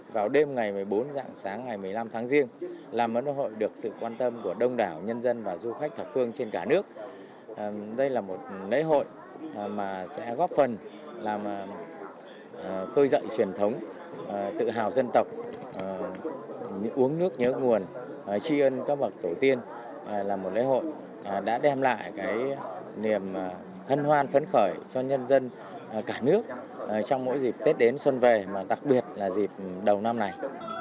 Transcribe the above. tổ tiên là một lễ hội đã đem lại cái niềm hân hoan phấn khởi cho nhân dân cả nước trong mỗi dịp tết đến xuân về mà đặc biệt là dịp đầu năm này